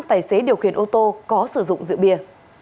năm tài xế điều khiển ô tô có sử dụng dự bia